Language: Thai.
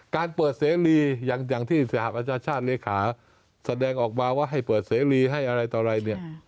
การเปิดเศรษฐ์รีอย่างที่สหรัฐปัชชาติเลขาแสดงออกมาว่าให้เปิดเศรษฐ์รีให้อะไรต่อใด